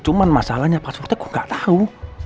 cuman masalahnya passwordnya gue gak tahu